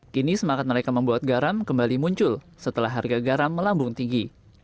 kini semangat mereka membuat garam kembali muncul setelah harga garam melambung tinggi